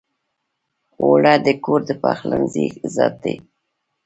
اوړه د کور د پخلنځي عزت دی